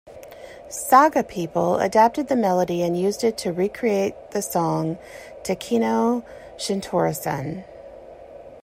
Saga people adapted the melody and used it to recreate the song "Takeno Shintaro-san".